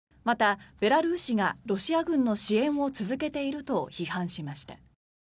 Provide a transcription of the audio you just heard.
また、ベラルーシがロシア軍の支援を続けていると批判しました。